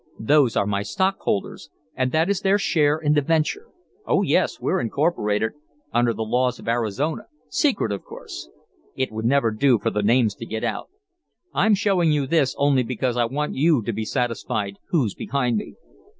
"Those are my stockholders and that is their share in the venture. Oh, yes; we're incorporated under the laws of Arizona secret, of course; it would never do for the names to get out. I'm showing you this only because I want you to be satisfied who's behind me."